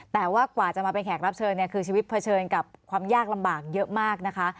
แต่ว่ากว่าจะมาเป็นแขกรับเชิญเนี่ยคือชีวิตเผชิญกับความยากลำบากเยอะมากนะคะ